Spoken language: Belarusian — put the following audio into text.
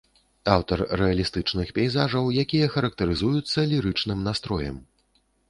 Аўтар рэалістычных пейзажаў, якія характарызуюцца лірычным настроем.